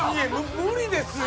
無理ですよ